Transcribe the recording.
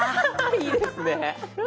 いいですね。